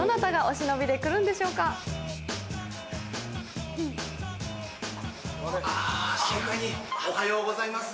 支配人おはようございます。